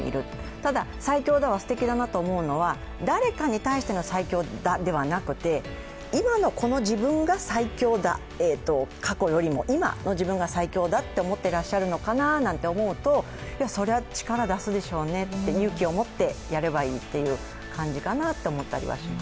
ただ「最強だ」がすてきだなと思うのは誰かに対しての最強だではなくて、今の自分が最強だ、過去よりも今の自分が最強だなんて思ってらっしゃるのかなって思うとそれは力、出すでしょうね、勇気を持ってやればいいと感じます。